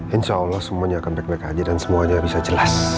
insya allah semuanya akan baik baik saja dan semuanya bisa jelas